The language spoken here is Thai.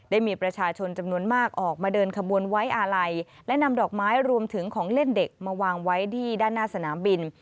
ได้มีประชาชนจำนวนมากออกมาเดินขบวนไว้อาลัยและนำดอกไม้รวมถึงของเล่นเด็กมาวางไว้ที่ด้านหน้าสนามบิน